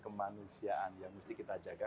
kemanusiaan yang mesti kita jaga